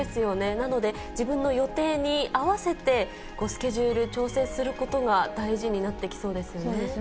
なので、自分の予定に合わせて、スケジュール調整することが大事になってきそうですよね。